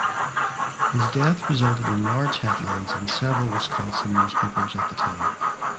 His death resulted in large headlines in several Wisconsin newspapers at the time.